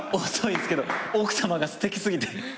遅いですけど奥さまがすてき過ぎて。